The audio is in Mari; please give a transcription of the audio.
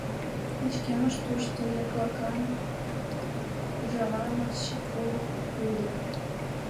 Пычкемыш тушто, яклака... ужава-шамыч улыт дыр...